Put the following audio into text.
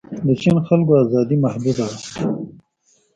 د چین خلکو ازادي محدوده ده.